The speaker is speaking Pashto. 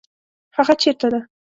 هغه چیرته ده؟